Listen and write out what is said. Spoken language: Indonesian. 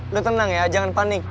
udah tenang ya jangan panik